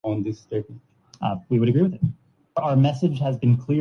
بہادر، محب وطن، حکیم اور پرعزم یہ چار عناصر ہوں۔